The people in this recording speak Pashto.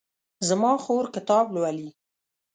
زما خور کتاب لولي